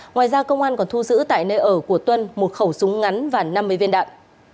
ngoài ra công an còn thu giữ tại nơi ở của tuân một khẩu súng ngắn và năm mươi viên đạn